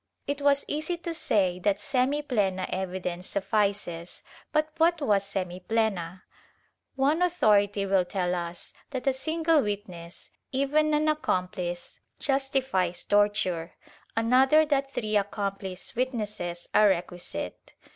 It was easy to say that semiplena evidence suffices, but what was semiplena? One authority wdll tell us that a single witness, even an accomplice, justifies torture, another that three accomplice witnesses are requisite.